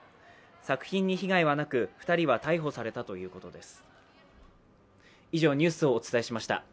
作品に被害はなく、２人は逮捕されたということです。